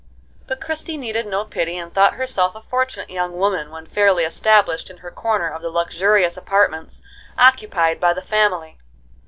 But Christie needed no pity, and thought herself a fortunate young woman when fairly established in her corner of the luxurious apartments occupied by the family.